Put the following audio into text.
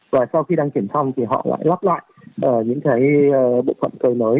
và sau khi đăng kiểm xong thì họ lại lắp lại những bộ phận cây mới